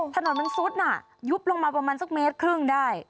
ถนนมันซุดน่ะยุบลงมาประมาณสักเมตรครึ่งได้